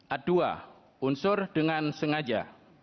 a dua unsur dengan sengaja